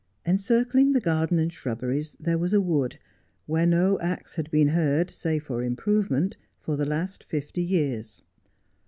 En circling the garden and shrubberies there was a wood, where no axe had been heard, save for improvement, for the last fifty years.